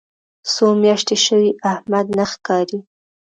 څو میاشتې شوې احمد نه ښکاري.